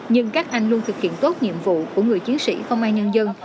nhưng các anh luôn thực hiện tốt nhiệm vụ của người chiến sĩ công an nhân dân